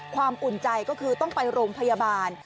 อุ่นใจก็คือต้องไปโรงพยาบาล